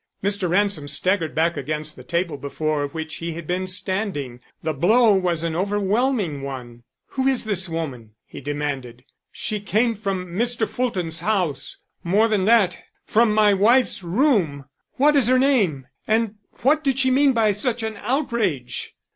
Mr. Ransom staggered back against the table before which he had been standing. The blow was an overwhelming one. "Who is this woman?" he demanded. "She came from Mr. Fulton's house. More than that, from my wife's room. What is her name and what did she mean by such an outrage?"